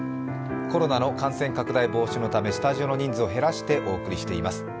コロナの感染拡大防止のためスタジオの人数を減らしてお送りしています。